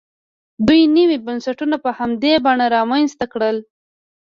دوی نوي بنسټونه په همدې بڼه رامنځته کړل.